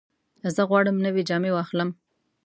زه غواړم نوې جامې واخلم.